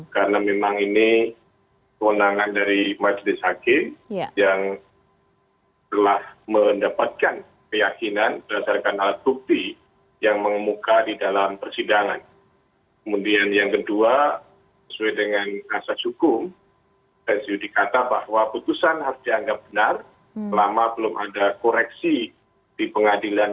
karena memang ini kewenangan dari majelis hakim yang telah mendapatkan keyakinan